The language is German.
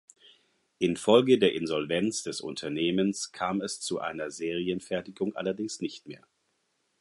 Infolge der Insolvenz des Unternehmens kam es zu einer Serienfertigung allerdings nicht mehr.